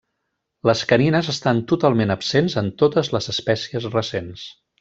Les canines estan totalment absents en totes les espècies recents.